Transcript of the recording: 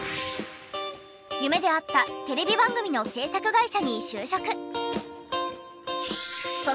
夢であったテレビ番組の制作会社に就職。